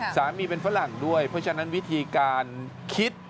สามีเป็นฝรั่งด้วยเพราะฉะนั้นวิธีการคิด